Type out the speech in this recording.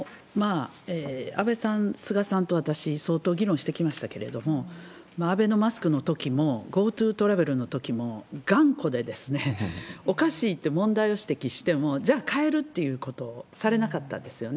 安倍さん、菅さんと私、相当議論してきましたけれども、アベノマスクのときも、ＧｏＴｏトラベルのときも頑固で、おかしいって問題を指摘しても、じゃあ変えるっていうことをされなかったんですよね。